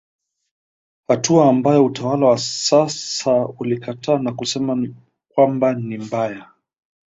Hatua ambayo utawala wa sasa ulikataa na kusema kwamba ni mbaya.